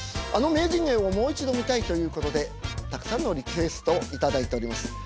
あの名人芸をもう一度見たいということでたくさんのリクエストを頂いております。